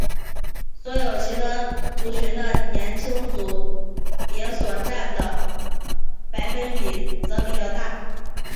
所有其他族群的年轻组别所占的百分比则比较大。